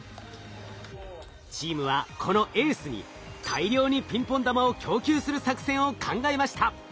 チームはこのエースに大量にピンポン玉を供給する作戦を考えました。